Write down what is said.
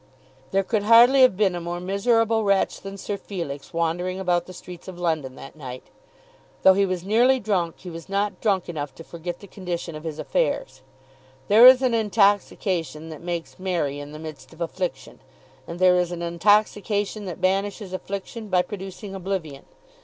There could hardly have been a more miserable wretch than Sir Felix wandering about the streets of London that night. Though he was nearly drunk, he was not drunk enough to forget the condition of his affairs. There is an intoxication that makes merry in the midst of affliction; and there is an intoxication that banishes affliction by producing oblivion.